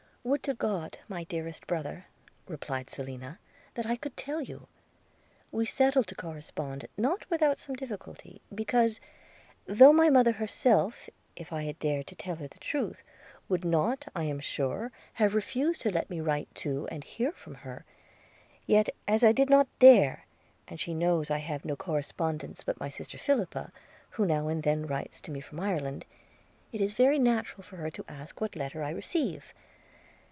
'Would to God, my dearest brother,' replied Selina, 'that I could tell you! – We settled to correspond, not without some difficulty, because, though my mother herself, if I had dared to tell her the truth, would not I am sure have refused to let me write to and hear from her, yet as I did not dare, and she knows I have no correspondents but my sister Philippa, who now and then writes to me from Ireland, it is very natural for her to ask what letter I receive.